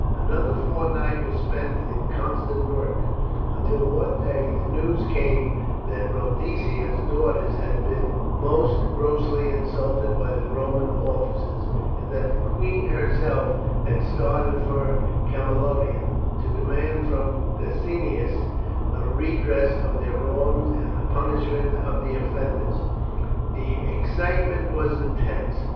Another fortnight was spent in constant work, until one day the news came that Boadicea's daughters had been most grossly insulted by the Roman officers, and that the queen herself had started for Camalodunum to demand from Decianus a redress of their wrongs and the punishment of the offenders. The excitement was intense.